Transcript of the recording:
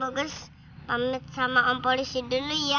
fokus pamit sama om polisi dulu ya